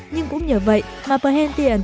nhưng cũng như vậy mà perhentian